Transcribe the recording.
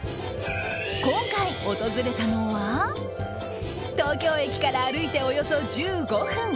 今回訪れたのは東京駅から歩いておよそ１５分。